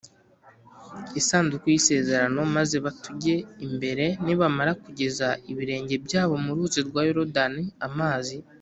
isanduku y isezerano maze batujye imbere Nibamara kugeza ibirenge byabo mu Ruzi rwa Yorodani amazi